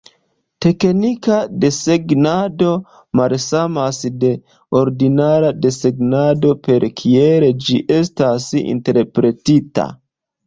Teknika desegnado malsamas de ordinara desegnado per kiel ĝi estas interpretita.